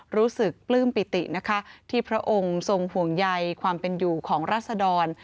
ปลื้มปิตินะคะที่พระองค์ทรงห่วงใยความเป็นอยู่ของรัศดร